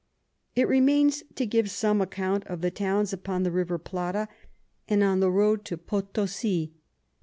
It remains to give some account of the Towns upon the River Plata and on the Road to Potosi.